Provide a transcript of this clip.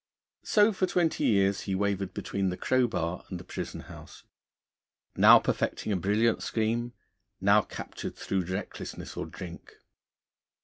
So for twenty years he wavered between the crowbar and the prison house, now perfecting a brilliant scheme, now captured through recklessness or drink.